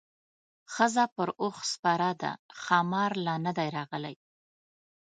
ښځه پر اوښ سپره ده ښامار لا نه دی راغلی.